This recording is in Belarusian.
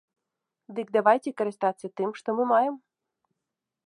Дык давайце карыстацца тым, што мы маем.